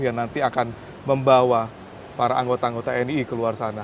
yang nanti akan membawa para anggota anggota nii keluar sana